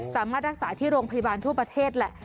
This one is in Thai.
สามารถรักษาที่โรงพยาบาลทั่วประเทศแหละ